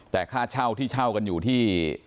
แต่ค่าเช่าที่เช่ากันอยู่ที่